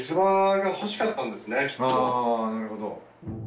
あなるほど。